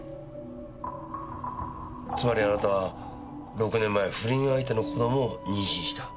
つまりあなたは６年前不倫相手の子供を妊娠した。